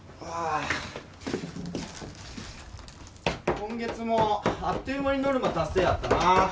今月もあっという間にノルマ達成やったな。